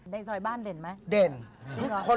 ในซอยบ้านเด่นไหมเด่น